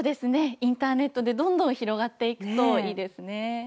インターネットでどんどん広がっていくといいですね。